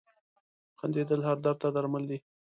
• خندېدل هر درد ته درمل دي.